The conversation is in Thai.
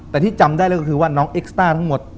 แต่ที่จำได้เลยก็คือว่าน้องเอ็กซ์ต้าทั้งหมด